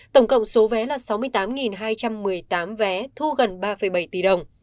tổng cộng số vé là sáu mươi tám hai trăm một mươi tám vé thu gần ba bảy tỷ đồng